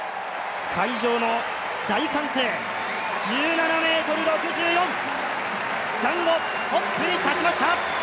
会場の大歓声、１７ｍ６４、ザンゴトップに立ちました。